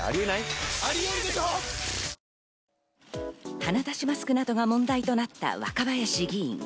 鼻出しマスクなどが問題となった若林議員。